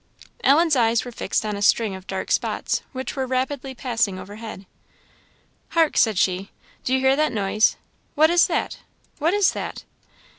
Ellen's eyes were fixed on a string of dark spots, which were rapidly passing overhead. "Hark!" said she; "do you hear that noise? what is that? what is that?"